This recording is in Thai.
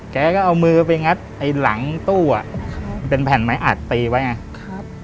แกก็เอามือไปงัดไอ้หลังตู้อ่ะเป็นแผ่นไม้อัดตีไว้ไงครับ